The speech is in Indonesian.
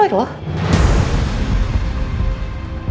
oh kamu lagi menyelidikin kasus pembunuhan ya roy